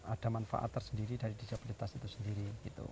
ada manfaat tersendiri dari disabilitas itu sendiri